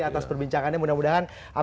atas perbincangannya mudah mudahan